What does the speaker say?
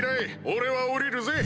俺は降りるぜ。